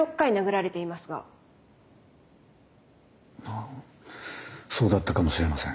あそうだったかもしれません。